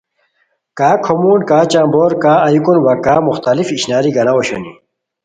کا کھومون، کا چمبور، کا ایوکون وا کا مختلف اشناری گاناؤ اوشونی